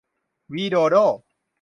วิโดโด้